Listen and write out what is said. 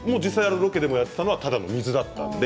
ロケでやっていたのはただの水でした。